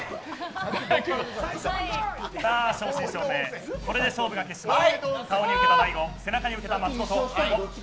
正真正銘これで勝負が決します。